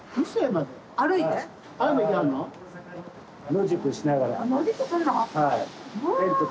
野宿しながら。